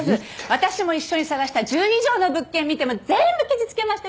私も一緒に探した１０以上の物件見ても全部ケチつけましたよね。